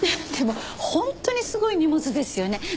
でも本当にすごい荷物ですよね。